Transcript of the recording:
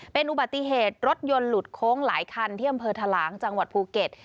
เป็นอุบัติเหตุรถยนต์หลุดโค้งหลายคันที่อำเภอทะหลางจังหวัดภูเก็ต